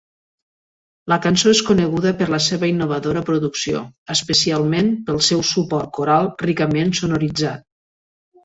La cançó és coneguda per la seva innovadora producció, especialment pel seu suport coral ricament sonoritzat.